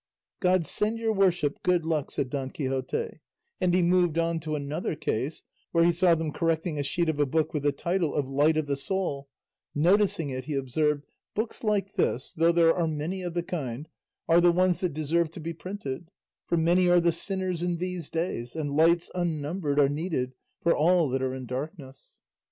"God send your worship good luck," said Don Quixote; and he moved on to another case, where he saw them correcting a sheet of a book with the title of "Light of the Soul;" noticing it he observed, "Books like this, though there are many of the kind, are the ones that deserve to be printed, for many are the sinners in these days, and lights unnumbered are needed for all that are in darkness."